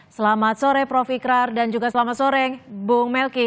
selamat sore prof ikrar dan juga selamat sore bung melki